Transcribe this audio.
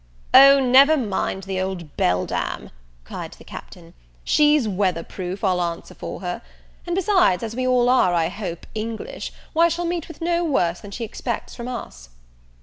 "O never mind the old beldame," cried the Captain, "she's weather proof, I'll answer for her; and besides, as we are all, I hope, English, why she'll meet with no worse than she expects from us."